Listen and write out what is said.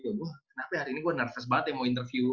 kenapa hari ini gue nervous banget ya mau interview